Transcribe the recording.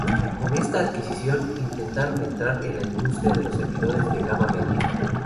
Con esta adquisición intentaron entrar en la industria de los servidores de gama media.